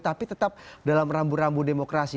tapi tetap dalam rambu rambu demokrasi